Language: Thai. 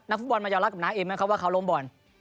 นักฟุตบอลมายาวรักกับน้าไอมไหมครับว่าเขาล้มบ่อน